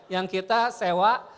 yang kita sewa